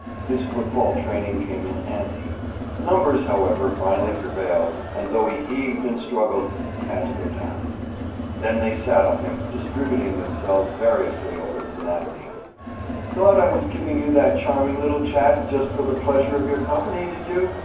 His football training came in handy. Numbers, however, finally prevailed, and though he heaved and struggled, he had to go down. Then they sat on him, distributing themselves variously over his anatomy. "Thought I was giving you that charming little chat, just for the pleasure of your company, did you?"